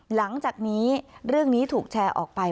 หลังจากนี้เรื่องนี้ถูกแชร์ออกไป